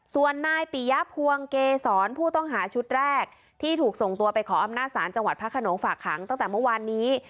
ส่วนนายปิยภวงเกษรผู้ต้องหาชุดแรกที่ถูกส่งตัวไปขออำนาจศาลจังหวัดพระขนงฝากขังตั้งแต่เมื่อวานนี้